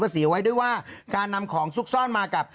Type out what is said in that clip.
สีไว้ด้วยว่าการนำของซุกซ่อนมากับ